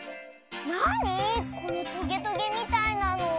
なにこのトゲトゲみたいなの？